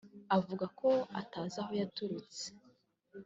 avuga ko atazi aho yaturutse